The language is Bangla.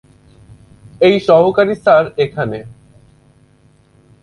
এই সহকারী স্যার এখানে।